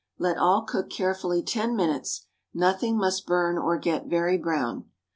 Let all cook carefully ten minutes: nothing must burn or get very brown.